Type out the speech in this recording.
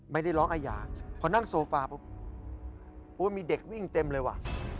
ไม่ได้ร้องอาหย่างพอนั่งโซฟามีเด็กวิ่งเต็มเลยวะ